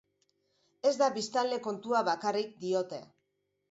Ez da biztanle-kontua bakarrik, diote.